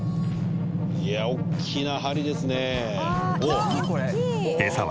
いや大きな針ですね。